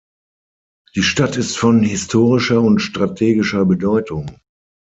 Die Stadt ist von historischer und strategischer Bedeutung.